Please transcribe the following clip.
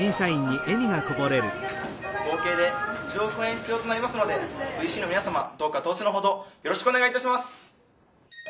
合計で１０億円必要となりますのでＶＣの皆様どうか投資のほどよろしくお願いいたします。